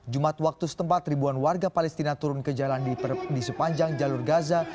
jumat waktu setempat ribuan warga palestina turun ke jalan di sepanjang jalur gaza